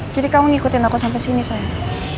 jadi kamu ngikutin aku sampai sini sayang